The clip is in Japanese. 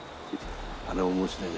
あれ面白いね。